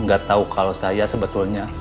gak tahu kalau saya sebetulnya